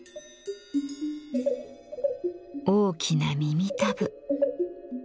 大きな耳たぶ。